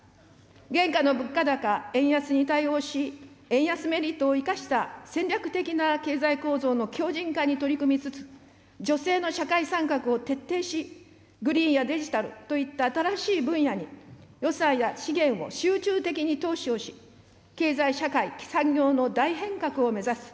現下の物価高・円安に対応し、円安メリットを生かした戦略的な経済構造の強じん化に取り組みつつ、女性の社会参画を徹底し、グリーンやデジタルといった新しい分野に予算や資源を集中的に投資をし、経済・社会・産業の大変革を目指す。